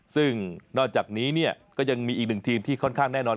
ซึ่งนอกจากนี้เนี่ยก็ยังมีอีกหนึ่งทีมที่ค่อนข้างแน่นอน